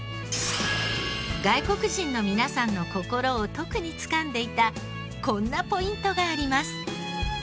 外国人の皆さんの心を特につかんでいたこんなポイントがあります。